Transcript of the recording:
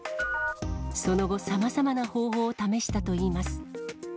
その後、さまざまな方法を試したといいます。